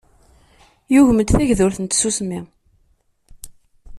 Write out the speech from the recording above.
Yugem-d tagdurt n tsusmi.